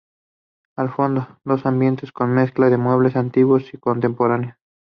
Al fondo, dos ambientes con mezcla de muebles antiguos y contemporáneos.